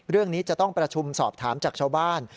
เรื่องนี้จะต้องประชุมสอบถามจากชาวบ้าน